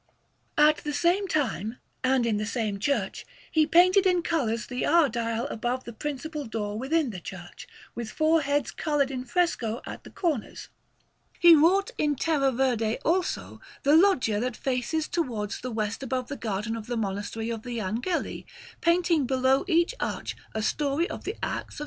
At the same time, and in the same church, he painted in colours the hour dial above the principal door within the church, with four heads coloured in fresco at the corners. He wrought in terra verde, also, the loggia that faces towards the west above the garden of the Monastery of the Angeli, painting below each arch a story of the acts of S.